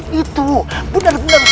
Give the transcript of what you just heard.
dan itu benar benar sangat menguras tenaga